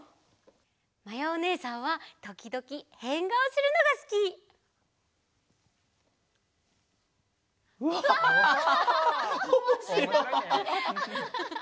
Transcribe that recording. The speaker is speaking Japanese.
まやおねえさんはときどきへんがおするのがすき！わハハハハ。